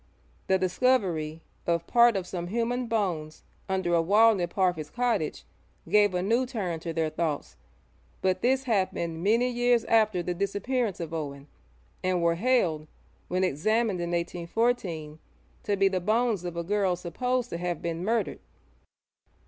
The discovery of part of some human bones under a wall near Parfitt's cottage gave a new turn to their thoughts, but this happened many years after the disappearance of Owen, and were held, when examined in 1814, to be the bones of a girl supposed to have been murdered.